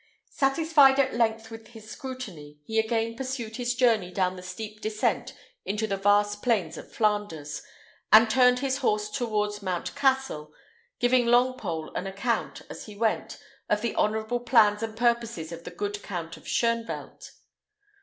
Satisfied at length with his scrutiny, he again pursued his journey down the steep descent into the vast plain of Flanders, and turned his horse towards Mount Cassel, giving Longpole an account, as he went, of the honourable plans and purposes of the good Count of Shoenvelt.